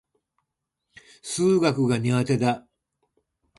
数学が苦手だ。